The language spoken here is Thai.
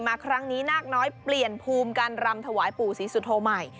มาครั้งนี้นาคน้อยเปลี่ยนภูมิการรำถวายปู่ศรีสุโธใหม่